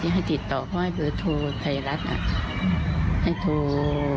ให้ติดต่อเขาให้ทูไทยรัฐอ่ะให้ทู